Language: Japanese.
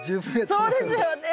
そうですよね。